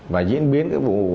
và diễn biến cái vụ